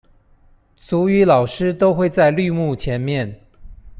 族語老師都會在綠幕前面